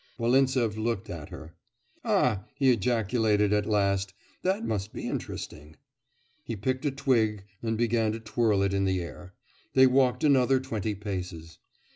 Volintsev looked at her. 'Ah!' he ejaculated at last, 'that must be interesting.' He picked a twig and began to twirl it in the air. They walked another twenty paces.